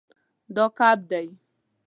دا کب دی